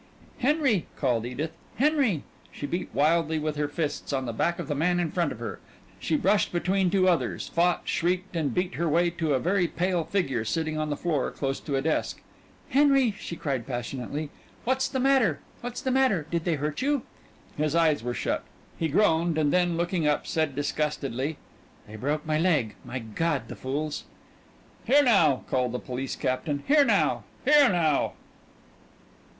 "Henry!" called Edith, "Henry!" She beat wildly with her fists on the back of the man in front of her; she brushed between two others; fought, shrieked, and beat her way to a very pale figure sitting on the floor close to a desk. "Henry," she cried passionately, "what's the matter? What's the matter? Did they hurt you?" His eyes were shut. He groaned and then looking up said disgustedly "They broke my leg. My God, the fools!" "Here now!" called the police captain. "Here now! Here now!"